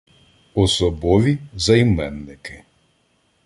Особові займенники